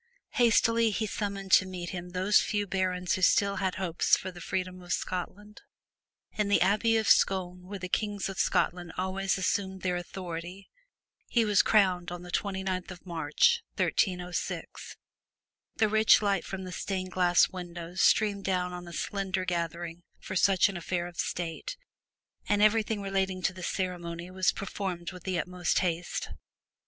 Hastily he summoned to meet him those few barons who still had hopes for the freedom of Scotland. In the Abbey of Scone where the Kings of Scotland always assumed their authority, he was crowned on the twenty ninth of March, 1306. The rich light from the stained glass windows streamed down on a slender gathering for such an affair of state, and everything relating to the ceremony was performed with the utmost haste.